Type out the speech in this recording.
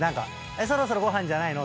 「そろそろご飯じゃないの？」